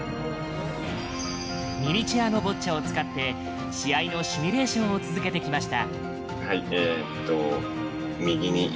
ミニチュアのボッチャを使って試合のシミュレーションを続けてきました。